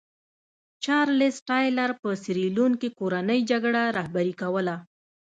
چارلېز ټایلر په سیریلیون کې کورنۍ جګړه رهبري کوله.